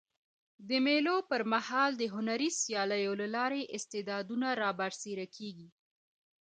د مېلو پر مهال د هنري سیالیو له لاري استعدادونه رابرسېره کېږي.